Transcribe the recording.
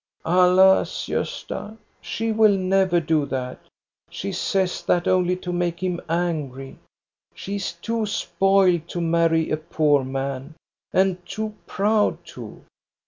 "Alas, Gosta, she will never do that. She says that only to make him angry. She is too spoiled to marry a poor man, and too proud, too.